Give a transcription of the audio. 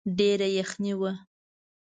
ډېره يخني وه.